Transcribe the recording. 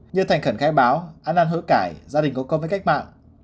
như thành khẩn khai báo ăn ăn hỡ cải gia đình có công với cách mạng